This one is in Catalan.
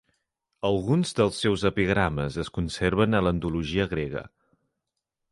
Alguns dels seus epigrames es conserven a l'antologia grega.